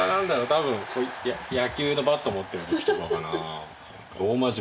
多分これ野球のバット持ってる時とかかなからね